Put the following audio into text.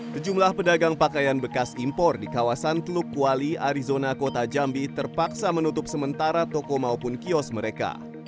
sejumlah pedagang pakaian bekas impor di kawasan teluk wali arizona kota jambi terpaksa menutup sementara toko maupun kios mereka